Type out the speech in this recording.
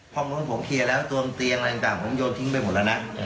ตอนนี้ผมเคลียร์แล้วตัวเตียงตังต่างผมโยนพิลูกไปหมดละนะ